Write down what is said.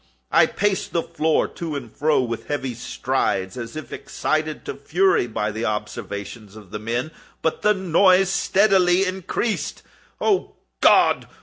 I paced the floor to and fro with heavy strides, as if excited to fury by the observations of the men—but the noise steadily increased. Oh God!